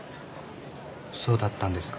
そうだったんですか。